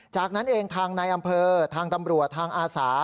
จากนั้นเองทางในอำเภอทางตำรวจทางอาสา